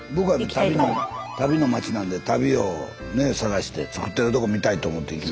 足袋の町なんで足袋を探して作ってるとこ見たいと思って行きましたね。